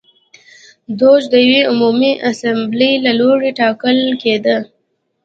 دوج د یوې عمومي اسامبلې له لوري ټاکل کېده.